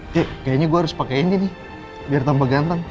kayaknya gue harus pake ini nih biar tampak ganteng